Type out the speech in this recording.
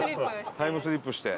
タイムスリップして。